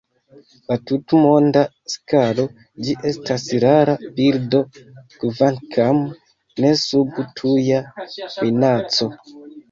Je tutmonda skalo ĝi estas rara birdo, kvankam ne sub tuja minaco.